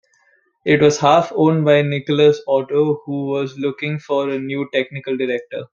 It was half-owned by Nikolaus Otto, who was looking for a new technical director.